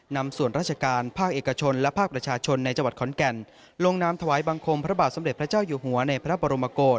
นำส่วนราชการภาคเอกชนและภาคประชาชนในจังหวัดขอนแก่นลงนามถวายบังคมพระบาทสมเด็จพระเจ้าอยู่หัวในพระบรมโกศ